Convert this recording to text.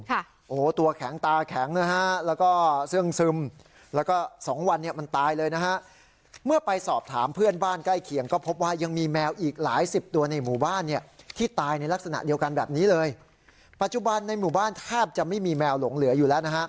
ค่ะโอ้ตัวแข็งตาแข็งนะฮะแล้วก็ซึ่งซึมแล้วก็สองวันเนี้ยมันตายเลยนะฮะเมื่อไปสอบถามเพื่อนบ้านใกล้เคียงก็พบว่ายังมีแมวอีกหลายสิบตัวในหมู่บ้านเนี้ยที่ตายในลักษณะเดียวกันแบบนี้เลย